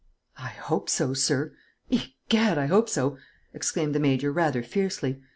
"I hope so, sir; egad, I hope so!" exclaimed the Major, rather fiercely.